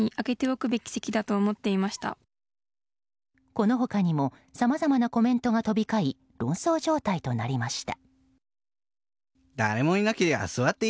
この他にもさまざまなコメントが飛び交い論争状態となりました。